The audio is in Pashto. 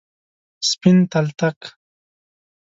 سپین تلتک،